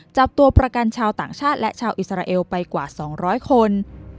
จับตัวประกันชาวต่างชาติและชาวอิสราเอลไปกว่า๒๐๐คน